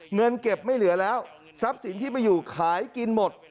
เงินเก็บไม่เหลือแล้วทรัพย์สินที่มาอยู่ขายกินหมด